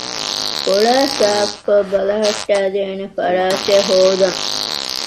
ފޮޅައި ސާފުކޮށް ބަލަހައްޓައިދޭނެ ފަރާތެއް ހޯދަން